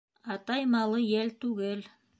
Атай малы йәл түгел.